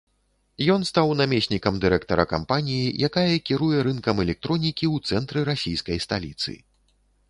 Ён стаў намеснікам дырэктара кампаніі, якая кіруе рынкам электронікі ў цэнтры расійскай сталіцы.